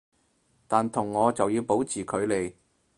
但同我就要保持距離